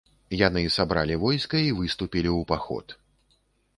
Яны сабралі войска і выступілі ў паход.